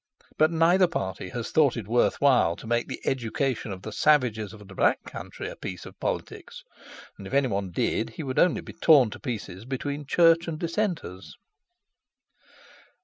But neither party has thought it worth while to make the education of the savages of the Black Country a piece of politics, and, if any one did, he would only be torn to pieces between Church and Dissenters.